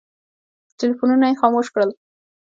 ټلفونونه یې خاموش کړل.